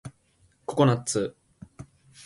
ココナッツ